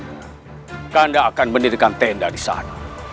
kakanda akan menirikan tenda disana